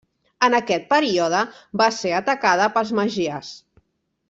En aquest període va ser atacada pels magiars.